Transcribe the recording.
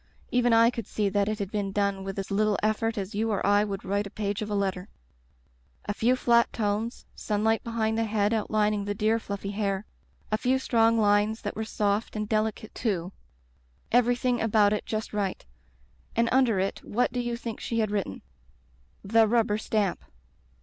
Even I could see that it had been done with as little effort as you or I would write a page of a letter. A few flat tones — sunlight behind the head out lining the dear fluffy hair; a few strong lines that were soft and delicate, too; everything about it just right — ^and under it what do you think she had written? 'The Rubber Stamp.